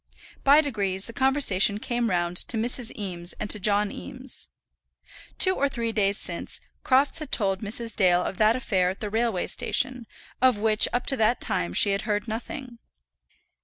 By degrees the conversation came round to Mrs. Eames and to John Eames. Two or three days since, Crofts had told Mrs. Dale of that affair at the railway station, of which up to that time she had heard nothing.